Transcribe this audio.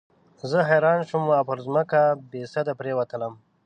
زه حیران شوم او پر مځکه بېسده پرېوتلم.